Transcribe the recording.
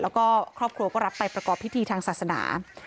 แล้วก็ครอบครัวก็รับไปประกอบพิธีทางศาสนา